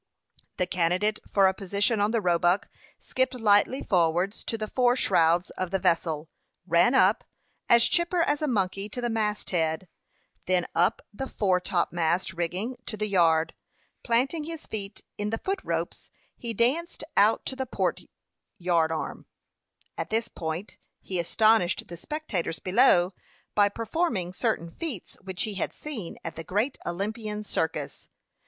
The candidate for a position on the Roebuck skipped lightly forward to the fore shrouds of the vessel, ran up, as chipper as a monkey, to the mast head, then up the fore topmast rigging to the yard. Planting his feet in the foot ropes, he danced out to the port yard arm. At this point he astonished the spectators below by performing certain feats which he had seen at the Great Olympian Circus.